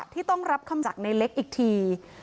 ที่ต้องรับคำจากในเล็กอีกที